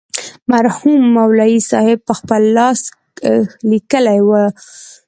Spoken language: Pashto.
مرحوم مولوي صاحب پخپل لاس لیکلې وه.